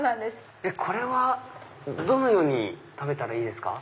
これはどのように食べたらいいですか？